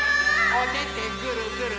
おててぐるぐる。